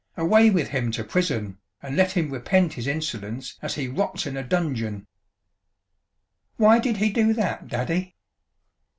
Away with him to prison, and let him repent his insolence as he rots in a dungeon!'" "Why did he do that, Daddy?"